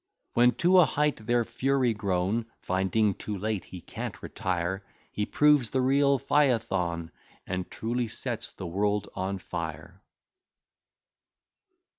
When, to a height their fury grown, Finding, too late, he can't retire, He proves the real Phaethon, And truly sets the world on fire.